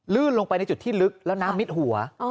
ลงไปในจุดที่ลึกแล้วน้ำมิดหัว